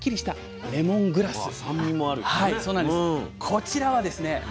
こちらはですね